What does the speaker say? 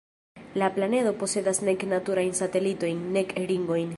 La planedo posedas nek naturajn satelitojn, nek ringojn.